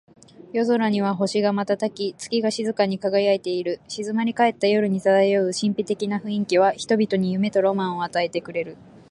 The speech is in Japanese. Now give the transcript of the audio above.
夜空には星が瞬き、月が静かに輝いている。静まり返った夜に漂う神秘的な雰囲気は、人々に夢とロマンを与えてくれる。